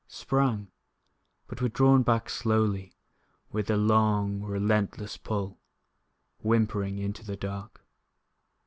Sprang but were drawn back slowly, With a long, relentless pull, Whimpering, into the dark.